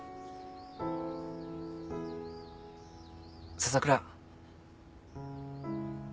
笹倉。